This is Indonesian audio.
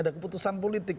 ada keputusan politik